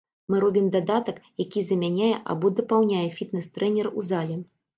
Мы робім дадатак, які замяняе або дапаўняе фітнес-трэнера ў зале.